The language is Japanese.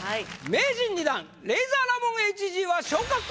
名人２段レイザーラモンＨＧは。